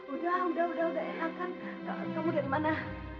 udah udah udah enakan kamu dari mana